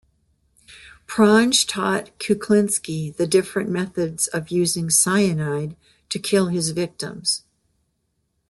Pronge taught Kuklinski the different methods of using cyanide to kill his victims.